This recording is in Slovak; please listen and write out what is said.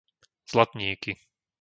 Zlatníky